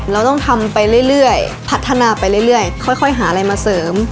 เราต้องทำไปเรื่อยพัฒนาไปเรื่อยค่อยหาอะไรมาเสริม